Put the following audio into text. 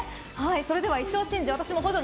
それでは衣装チェンジ